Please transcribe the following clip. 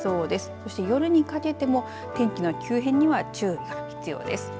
そして夜にかけても天気の急変には注意が必要です。